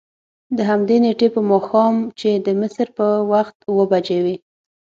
دهمدې نېټې په ماښام چې د مصر په وخت اوه بجې وې.